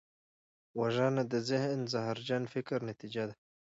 وژنه د ذهن زهرجن فکر نتیجه ده